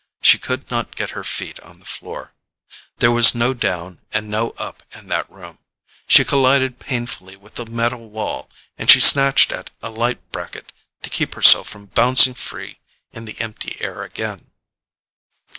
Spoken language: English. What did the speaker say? She could not get her feet on the floor. There was no down and no up in that room. She collided painfully with the metal wall and she snatched at a light bracket to keep herself from bouncing free in the empty air again.